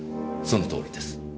そのとおりです。